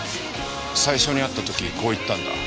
最初に会った時こう言ったんだ。